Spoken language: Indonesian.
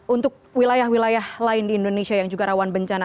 untuk wilayah wilayah lain di indonesia yang juga rawan bencana